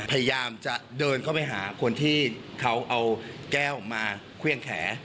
พยายามจะเดินเข้าไปหาคนที่เขาเอาแก้วมาเครื่องแขน